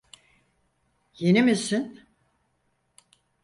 Yeni misin?